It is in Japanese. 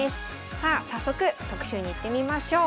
さあ早速特集にいってみましょう。